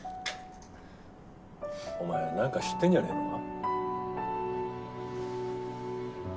お前なんか知ってんじゃねえのか？